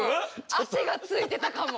汗がついてたかも。